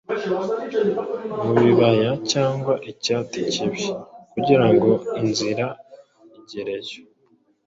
Mubibaya cyangwa Icyati kibii, kugirango inziraigereyo